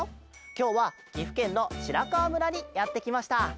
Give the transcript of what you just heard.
きょうはぎふけんのしらかわむらにやってきました。